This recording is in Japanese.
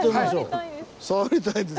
触りたいです。